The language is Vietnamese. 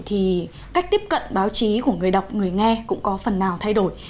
thì cách tiếp cận báo chí của người đọc người nghe cũng có phần nào thay đổi